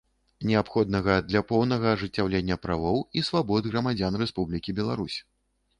Неабходнага для поўнага ажыццяўлення правоў і свабод грамадзян Рэспублікі Беларусь.